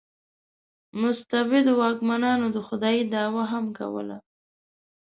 مستبدو واکمنانو د خدایي دعوا هم کوله.